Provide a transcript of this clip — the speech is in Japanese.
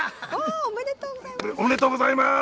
おめでとうございます！